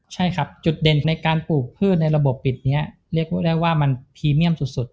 ใช่ครับจุดเด่นในการปลูกพืชในระบบปิดนี้เรียกพูดได้ว่ามันพรีเมียมสุด